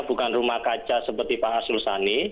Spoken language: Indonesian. bukan rumah kaca seperti pak aslusani